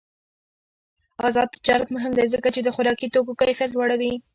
آزاد تجارت مهم دی ځکه چې د خوراکي توکو کیفیت لوړوي.